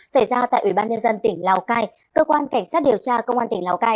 xảy ra tại ubnd tỉnh lào cai cơ quan cảnh sát điều tra công an tỉnh lào cai